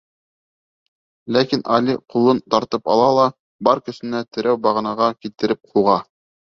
Ләкин Али ҡулын тартып ала ла бар көсөнә терәү бағанаға килтереп һуға.